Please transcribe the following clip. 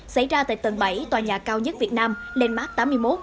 xảy ra tại tầng bảy tòa nhà cao nhất việt nam lên mát tám mươi một